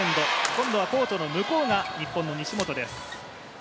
今度は、コートの向こうが日本の西本です。